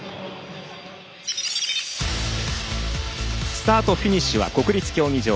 スタート・フィニッシュは国立競技場。